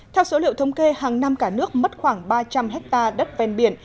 theo số liệu thống kê hàng năm cả nước mất khoảng ba trăm linh hectare đất ven biển